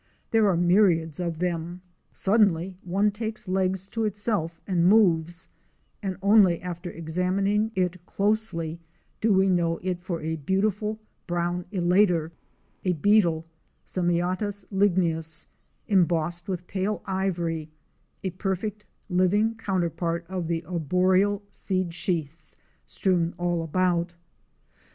There are myriads of them. Suddenly one takes legs to itself and moves and only after examining it closely do we know it for a beautiful brown elater, a beetle (Semiotus ligneus) embossed with pale ivory —a perfect living counterpart of the arbo real seed sheaths strewn all about.